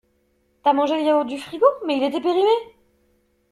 T'as mangé le yaourt du frigo? Mais il était périmé!